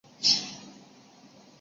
请问明天上课地点是